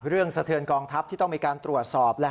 สะเทือนกองทัพที่ต้องมีการตรวจสอบ